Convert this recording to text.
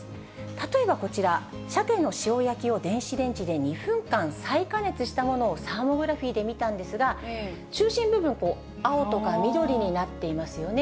例えばこちら、サケの塩焼きを電子レンジで２分間再加熱したものをサーモグラフィーで見たんですが、中心部分、青とか緑になっていますよね。